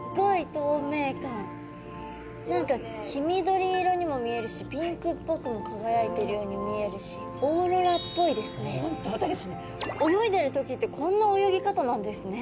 何か黄緑色にも見えるしピンクっぽくもかがやいてるように見えるし泳いでる時ってこんな泳ぎ方なんですね。